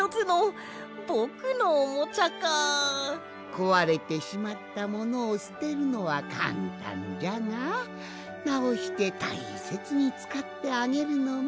こわれてしまったものをすてるのはかんたんじゃがなおしてたいせつにつかってあげるのもいいもんじゃろう？